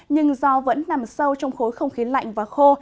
nhưng gió vẫn nằm sâu trong khối không khí lạnh